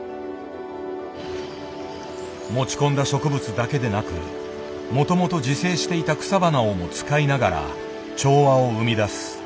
持ち込んだ植物だけでなくもともと自生していた草花をも使いながら調和を生み出す。